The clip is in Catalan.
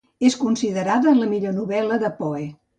És considerada la millor novel·la de Poe.